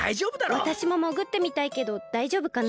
わたしももぐってみたいけどだいじょうぶかな？